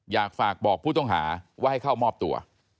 อยากฝากบอกผู้ต้องหาว่าให้เข้ามอบตัว